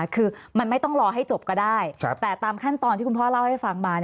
คือมันไม่ต้องรอให้จบก็ได้แต่ตามขั้นตอนที่คุณพ่อเล่าให้ฟังมา